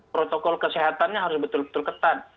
protokol kesehatannya harus betul betul ketat